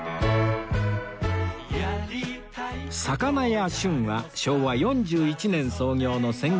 魚屋旬は昭和４１年創業の鮮魚店